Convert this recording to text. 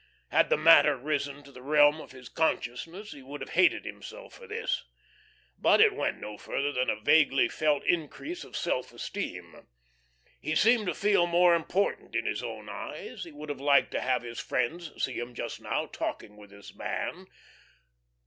Had the matter risen to the realm of his consciousness, he would have hated himself for this. But it went no further than a vaguely felt increase of self esteem. He seemed to feel more important in his own eyes; he would have liked to have his friends see him just now talking with this man.